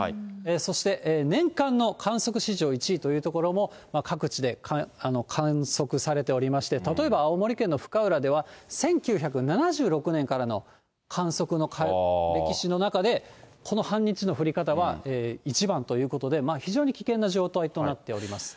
そして年間の観測史上１位という所も、各地で観測されておりまして、例えば青森県の深浦では、１９７６年からの観測の歴史の中で、この半日の降り方は１番ということで、非常に危険な状態となっております。